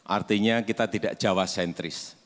artinya kita tidak jawa sentris